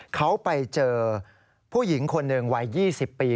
เขาไปเจอผู้หญิงคนหนึ่งวัย๒๐ปี